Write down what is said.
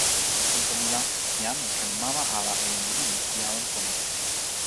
tenpo ni la, jan li ken mama ala e jan lili, li awen pona.